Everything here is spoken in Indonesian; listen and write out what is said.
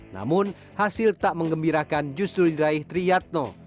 namun hasil tak mengembirakan justru diraih triyatno